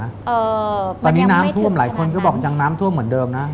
เออมันยังไม่ถึงฉะนั้นตอนนี้น้ำท่วมหลายคนก็บอกยังน้ำท่วมเหมือนเดิมนะ